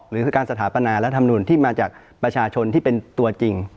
หรือคือการสถาปนารัฐมนุนที่มาจากประชาชนที่เป็นตัวจริง